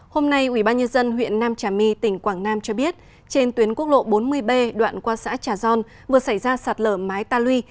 hôm nay ubnd huyện nam trà my tỉnh quảng nam cho biết trên tuyến quốc lộ bốn mươi b đoạn qua xã trà gion vừa xảy ra sạt lở mái ta lui